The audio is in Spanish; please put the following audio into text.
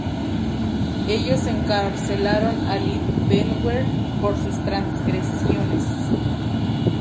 Ellos encarcelaron al In-Betweener por sus transgresiones.